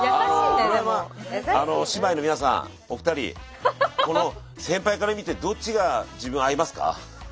姉妹の皆さんお二人先輩から見てどっちが自分合いますか？